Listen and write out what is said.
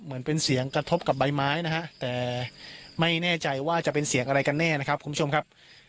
เหมือนเป็นเสียงกระทบกับใบไม้นะฮะแต่ไม่แน่ใจว่าจะเป็นเสียงอะไรกันแน่นะครับคุณผู้ชมครับ